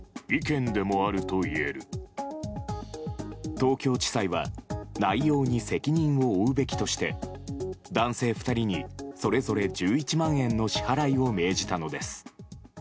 東京地裁は内容に責任を負うべきとして男性２人にそれぞれ１１万円の支払いを命じたのです。